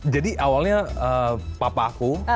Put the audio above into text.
jadi awalnya papa aku